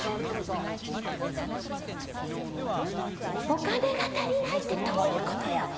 お金が足りないってどういう事よ！？